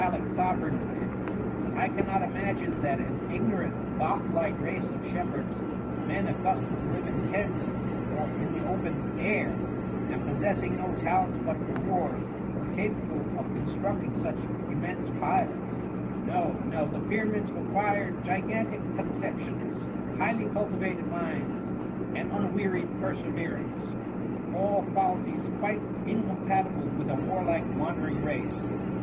I. K J^ 194 THE MUMMY. Fallic soTerieigBs did; but I cannot imagine that an ignorant, Goth like race of shepherds, noen accustomed to live in tents or in the open air, and possessing no talents but for war, were capable of constructing such immense piles* No, no, the Pyramids required gigantic concep tions, highly cultivated minds, and unwearied perseverance; all qualities quite incompatible with a warlike wandering race.